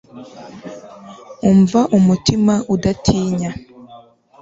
Kumva umutima udatinya